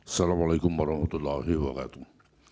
assalamu alaikum warahmatullahi wabarakatuh